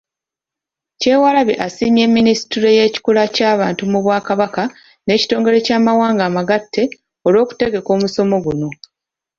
Kyewalabye asiimye Minisitule y'Ekikula ky'abantu mu Bwakabaka n'ekitongole ky'amawanga amagatte olw'okutegeka omusomo guno.